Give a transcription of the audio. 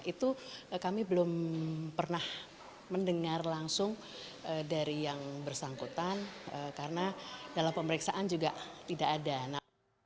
itu kami belum pernah mendengar langsung dari yang bersangkutan karena dalam pemeriksaan juga tidak ada